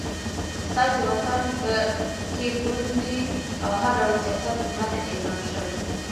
ستاسې وطن کې ګوندي او هر ډول سیاست منع اعلان شوی